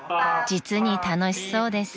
［実に楽しそうです］